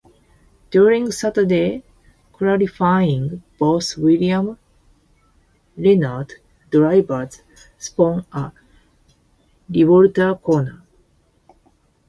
During Saturday qualifying both Williams-Renault drivers spun at Revolver corner.